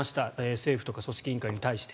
政府とか組織委員会に対して。